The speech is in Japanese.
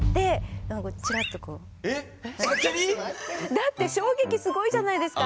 だって衝撃すごいじゃないですか。